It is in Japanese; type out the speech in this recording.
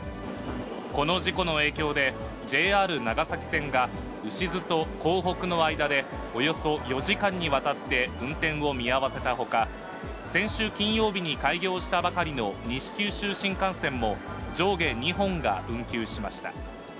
この事故の影響で、ＪＲ長崎線が、牛津と江北の間で、およそ４時間にわたって運転を見合わせたほか、先週金曜日に開業したばかりの、西九州新幹線も、上下２本が運休しました。